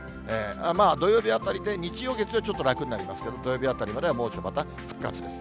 まあ土曜日あたりで、日曜、月曜、ちょっと楽になりますが、土曜日あたりまでは、猛暑また復活です。